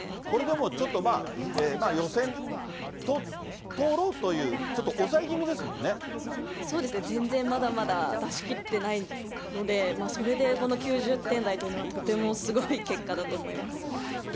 これでも、ちょっと予選通ろうという、そうですね、全然まだまだ出しきってないので、それでこの９０点台っていうのはとてもすごい結果だと思います。